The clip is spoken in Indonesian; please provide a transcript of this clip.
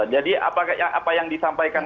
jadi apa yang disampaikan